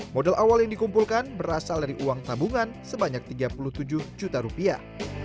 modal awal yang dikumpulkan berasal dari uang tabungan sebanyak tiga puluh tujuh juta rupiah